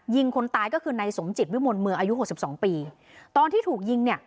ยิงคนตายก็คือนายสมจิตวิมลเมืองอายุหกสิบสองปีตอนที่ถูกยิงเนี่ย